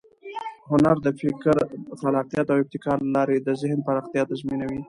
هنر د فکر، خلاقیت او ابتکار له لارې د ذهن پراختیا تضمینوي.